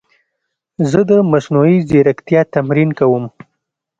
زه د مصنوعي ځیرکتیا تمرین کوم.